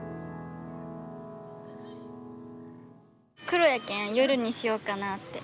黒やけん夜にしようかなって。